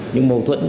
những mâu thuẫn